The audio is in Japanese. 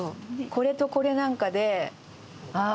これとこれなんかでああなるほど！